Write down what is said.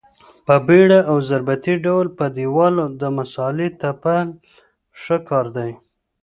په بېړه او ضربتي ډول په دېوال د مسالې تپل ښه کار دی.